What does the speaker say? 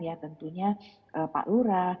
ya tentunya pak lura